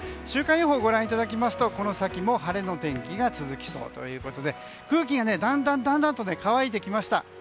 週間予報をご覧いただきますとこの先も晴れの天気が続きそうということで空気がだんだん乾いてきました。